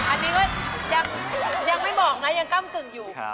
อันนี้ก็ยังไม่บอกนะยังก้ำกึ่งอยู่